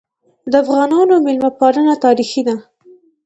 د افغانانو مېلمه پالنه تاریخي ده.